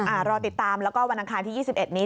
รอติดตามแล้วก็วันอังคารที่๒๑นี้